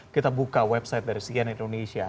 kita buka website dari cnn indonesia